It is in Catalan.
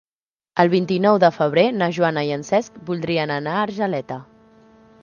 El vint-i-nou de febrer na Joana i en Cesc voldrien anar a Argeleta.